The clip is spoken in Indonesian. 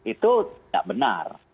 itu tidak benar